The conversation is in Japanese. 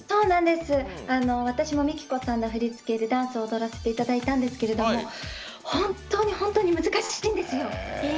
私もＭＩＫＩＫＯさんの振りでダンスを踊らせていただいたんですけど本当に本当に難しいんですよ。